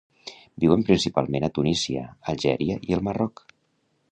Viuen principalment a Tunísia, Algèria i el Marroc.